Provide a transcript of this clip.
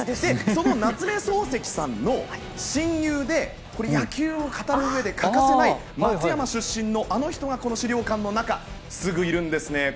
その夏目漱石さんの親友で野球を語るうえで欠かせない松山出身のあの人がこの資料館の中にすぐいるんですね。